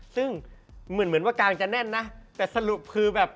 ซึ่งเหมือนเหมือนว่ากางจะแน่นนะแต่สรุปคือแบบ